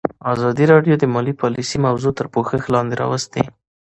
ازادي راډیو د مالي پالیسي موضوع تر پوښښ لاندې راوستې.